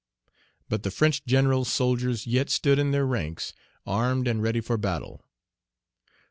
But the French general's soldiers yet stood in their ranks, armed, and ready for battle.